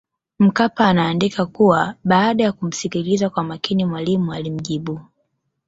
Mkapa anaandika kuwa baada ya kumsikiliza kwa makini Mwalimu alimjibu